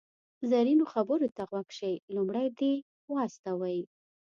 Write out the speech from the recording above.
زرینو خبرو ته غوږ شئ، لومړی دې و استوئ.